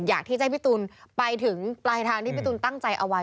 อยากที่จะให้พี่ตูนไปถึงปลายทางที่พี่ตูนตั้งใจเอาไว้